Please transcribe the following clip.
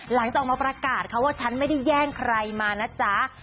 หลังจากออกมาประกาศว่าฉันไม่ได้แย่งใครมานะจ๊ะ